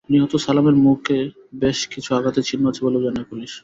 নিহত সালামের মুখে বেশ কিছু আঘাতের চিহ্ন আছে বলেও জানায় পুলিশ।